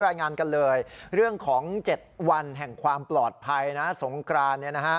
รายงานกันเลยเรื่องของ๗วันแห่งความปลอดภัยนะสงกราน